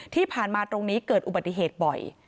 ที่ผ่านมาตรงนี้เกิดอุบัติเหตุบ่อย